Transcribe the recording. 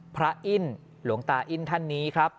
อิ้นหลวงตาอิ้นท่านนี้ครับ